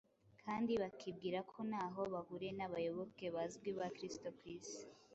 kandi bakibwira ko ntaho bahuriye n’abayoboke bazwi ba Kristo ku isi.